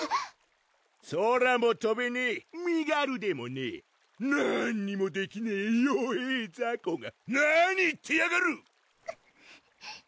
空もとべねぇ身軽でもねぇなんにもできねぇＹＯＥＥＥ雑魚が何言ってやがる！